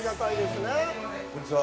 こんにちは。